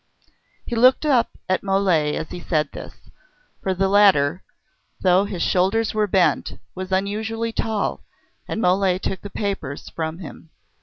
He looked up at Mole as he said this, for the latter, though his shoulders were bent, was unusually tall, and Mole took the papers from him.